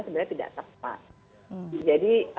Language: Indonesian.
sebenarnya tidak tepat jadi